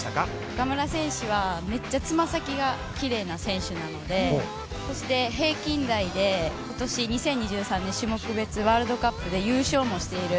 岡村選手は、めっちゃつま先がきれいな選手なのでそして平均台で、今年２０２３年種目別ワールドカップで優勝もしている